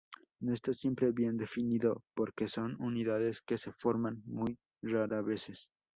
No está siempre bien definido porque son unidades que se forman muy raras veces.